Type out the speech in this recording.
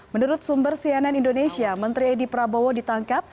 menurut sumber cnn indonesia menteri edi prabowo ditangkap